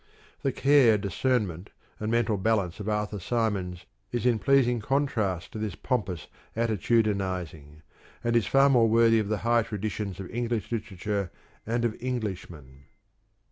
The care, discernment, and mental balance of Arthur Symons is in pleasing con trast to this pompous attitudinizing, and is far more worthy of the high traditions of English literature and of Englishmen.